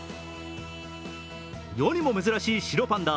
世にも珍しい白パンダ。